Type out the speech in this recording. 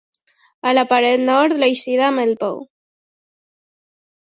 A la paret nord, l'eixida amb el pou.